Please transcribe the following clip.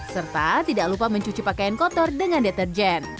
serta tidak lupa mencuci pakaian kotor dengan deterjen